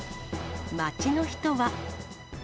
街の人は。